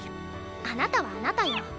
あなたはあなたよ。